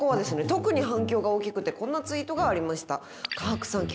特に反響が大きくてこんなツイートがありました。